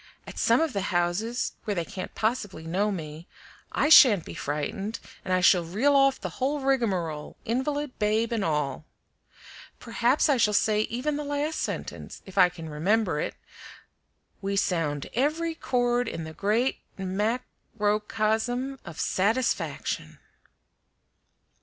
At some of the houses where they can't possibly know me I shan't be frightened, and I shall reel off the whole rigmarole, invalid, babe, and all. Perhaps I shall say even the last sentence, if I can remember it: 'We sound every chord in the great mac ro cosm of satisfaction."